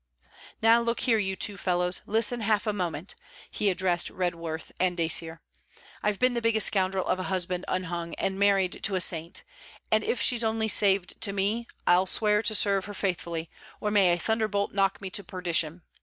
'Now, look here, you two fellows, listen half a moment,' he addressed Redworth and Dacier; 'I've been the biggest scoundrel of a husband unhung, and married to a saint; and if she's only saved to me; I'll swear to serve her faithfully, or may a thunderbolt knock me to perdition!